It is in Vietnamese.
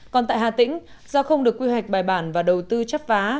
còn tại hà tĩnh do không được quy hoạch bài bản và đầu tư chấp phá